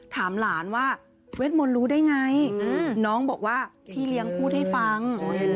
ถามหลานว่าเวทมนต์รู้ได้ไงน้องบอกว่าพี่เลี้ยงพูดให้ฟัง